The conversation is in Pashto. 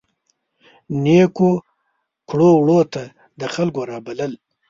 نیکو کړو وړو ته د خلکو رابلل.